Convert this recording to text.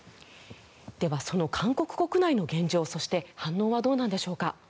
ではその韓国国内の現状そして反応はどうなんでしょうか。